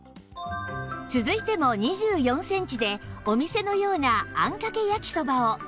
続いても２４センチでお店のようなあんかけ焼きそばを